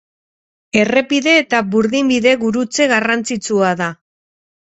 Errepide eta burdinbide gurutze garrantzitsua da.